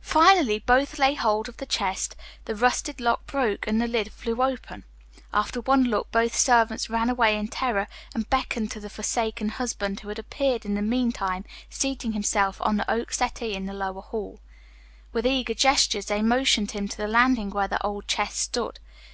Finally both lay hold of the old chest, the rusted lock broke and the lid flew open. After one look both servants ran away in terror, and beckoned to the forsaken husband who had appeared in the meantime, seating himself on the oak settee in the lower hall. With eager gestures they motioned him to the landing where the old chest stood.